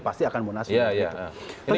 pasti akan munasib